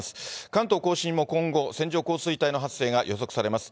関東甲信も今後、線状降水帯の発生が予測されます。